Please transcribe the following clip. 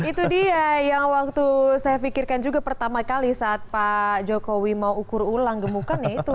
itu dia yang waktu saya pikirkan juga pertama kali saat pak jokowi mau ukur ulang gemukan ya itu